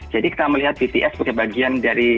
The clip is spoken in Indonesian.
jadi kita melihat bts sebagai bagian dari